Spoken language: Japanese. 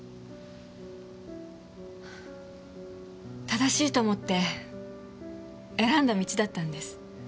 正しいと思って選んだ道だったんです。